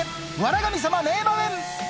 神様名場面。